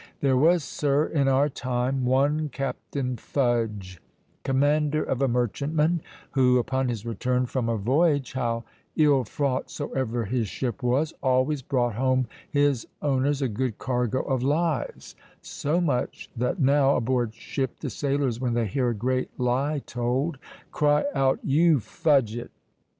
"There was, sir, in our time, one Captain Fudge, commander of a merchantman, who upon his return from a voyage, how ill fraught soever his ship was, always brought home his owners a good cargo of lies; so much that now, aboard ship, the sailors, when they hear a great lie told, cry out, 'You fudge it!'"